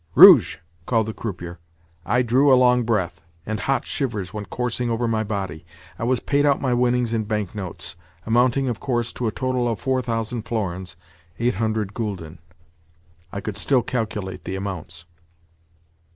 "Rouge!" called the croupier. I drew a long breath, and hot shivers went coursing over my body. I was paid out my winnings in bank notes—amounting, of course, to a total of four thousand florins, eight hundred gülden (I could still calculate the amounts).